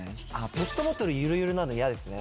ペットボトルゆるゆるなの嫌ですね。